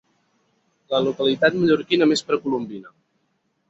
La localitat mallorquina més precolombina.